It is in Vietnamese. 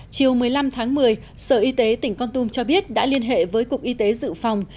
chiều một mươi năm tháng một mươi sở y tế tỉnh con tum cho biết đã liên hệ với cục y tế dự phòng